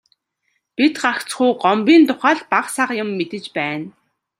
Бид гагцхүү Гомбын тухай л бага сага юм мэдэж байна.